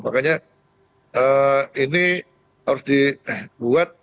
makanya ini harus dibuat